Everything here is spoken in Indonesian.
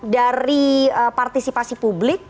dari partisipasi publik